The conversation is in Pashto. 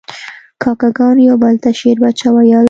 کاکه ګانو یو بل ته شیربچه ویل.